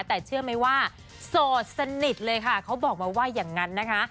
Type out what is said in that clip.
แต่เชื่อไหมว่าโสดสนิทเลยค่ะเขาบอกมาว่าอย่างนั้นนะคะ